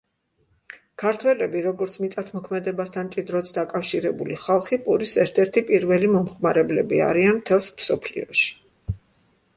ქართველები როგორც მიწათმოქმედებასთან მჭიდროდ დაკავშირებული ხალხი, პურის ერთ-ერთი პირველი მომხმარებლები არიან მთელს მსოფლიოში.